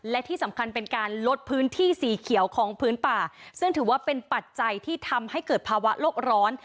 และที่สำคัญเป็นการลดพื้นที่สีเขียวของพื้นป่าซึ่งถือว่าเป็นปัจจัยที่ทำให้เกิดภาวะโลกร้อน